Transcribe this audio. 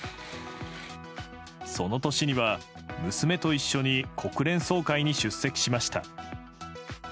その年には、娘と一緒に国連総会に出席しました。